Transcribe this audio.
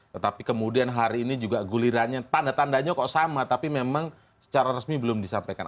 tetapi kemudian hari ini juga gulirannya tanda tandanya kok sama tapi memang secara resmi belum disampaikan